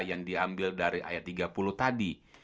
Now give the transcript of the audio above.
yang diambil dari ayat tiga puluh tadi